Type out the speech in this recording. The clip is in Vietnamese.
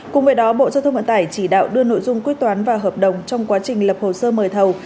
cùng với đó bộ giao thông vận tải chỉ đạo đưa nội dung quyết toán vào hợp đồng trong quá trình lập hồ sơ mời thầu